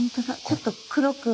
ちょっと黒く。